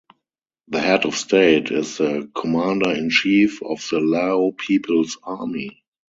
The head of state is the commander-in-chief of the Lao People's Army.